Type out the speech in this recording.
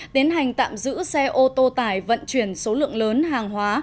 tiến hành tạm giữ xe ô tô tải vận chuyển số lượng lớn hàng hóa